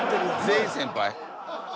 全員先輩。